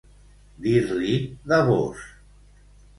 Dir-li de vós.